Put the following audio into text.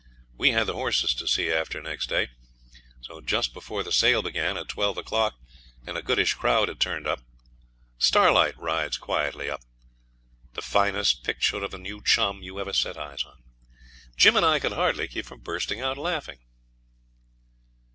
We had the horses to see after next day. Just before the sale began, at twelve o'clock, and a goodish crowd had turned up, Starlight rides quietly up, the finest picture of a new chum you ever set eyes on. Jim and I could hardly keep from bursting out laughing.